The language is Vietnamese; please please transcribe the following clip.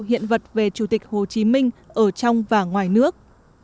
hiện vật về chủ tịch hồ chí minh ở trong và ngoài nước